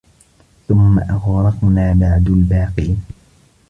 ثم أغرقنا بعد الباقين